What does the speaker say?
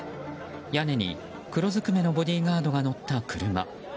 屋根に、黒ずくめのボディーガードが乗った車。